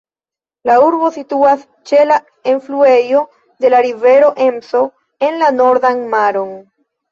La urbo situas ĉe la enfluejo de la rivero Emso en la Nordan Maron.